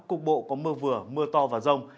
cục bộ có mưa vừa mưa to và rông